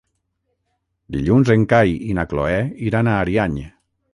Dilluns en Cai i na Cloè iran a Ariany.